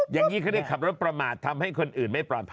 อย่างนี้เขาได้ขับรถประมาททำให้คนอื่นไม่ปลอดภัย